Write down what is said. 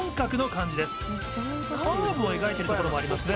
カーブを描いてる所もありますね。